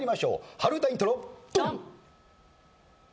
春うたイントロドン！